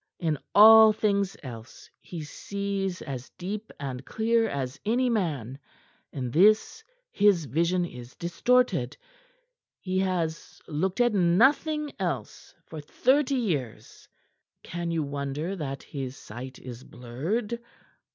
"In all things else he sees as deep and clear as any man; in this his vision is distorted. He has looked at nothing else for thirty years; can you wonder that his sight is blurred?"